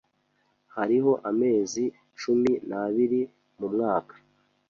Hariho amezi cumi n'abiri mumwaka.